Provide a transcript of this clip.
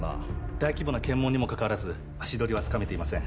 大規模な検問にもかかわらず足取りはつかめていません。